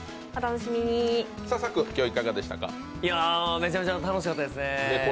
めちゃめちゃ楽しかったですね。